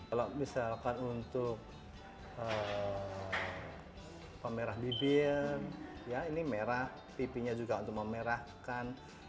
kalau misalkan untuk pemerah bibir ya ini merah pipinya juga untuk memerahkan